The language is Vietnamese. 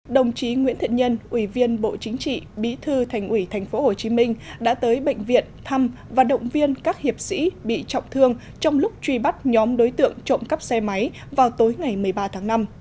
đồng chí nguyễn thiện nhân ủy viên bộ chính trị bí thư thành ủy tp hcm đã tới bệnh viện thăm và động viên các hiệp sĩ bị trọng thương trong lúc truy bắt nhóm đối tượng trộm cắp xe máy vào tối ngày một mươi ba tháng năm